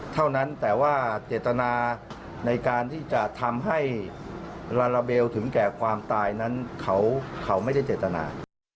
เท่านั้นแต่ว่าเจตนาในการที่จะทำให้ลาลาเบลถึงแก่ความตายนั้นเขาไม่ได้เจตนา